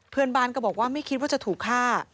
เพื่อนบ้านก็บอกว่าไม่คิดว่าจะถูกฆ่า